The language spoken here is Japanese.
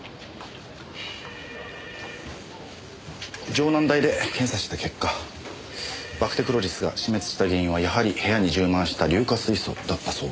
城南大で検査した結果バクテクロリスが死滅した原因はやはり部屋に充満した硫化水素だったそうです。